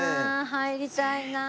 入りたいなあ！